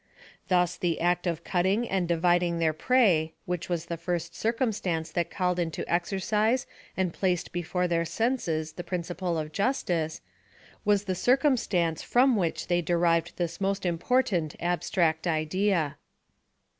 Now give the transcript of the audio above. Thus, the ^i of cutting and dividing their prey, which was J^4 PHILOSOFHY OF THE the first circumstance that called into exercise and placed before their senses the principle of justice, was the circumstance from which they derived this most important abstract idea.